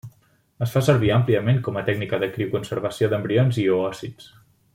Es fa servir àmpliament com a tècnica de crioconservació d'embrions i oòcits.